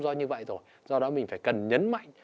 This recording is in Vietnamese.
do như vậy rồi do đó mình phải cần nhấn mạnh